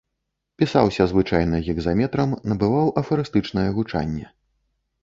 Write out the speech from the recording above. Пісаўся звычайна гекзаметрам, набываў афарыстычнае гучанне.